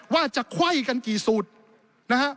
ว่าจะไขว้กันกี่สูตรนะฮะ